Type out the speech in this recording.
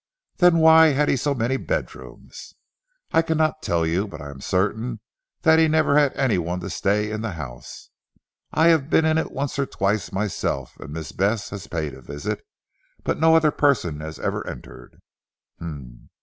"Then why had he so many bedrooms?" "I cannot tell you. But I am certain that he never had anyone to stay in the house. I have been in it once or twice myself, and Miss Bess has paid a visit. But no other person has ever entered."